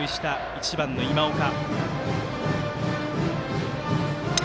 １番の今岡。